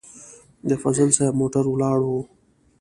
د فضل صاحب موټر ولاړ و.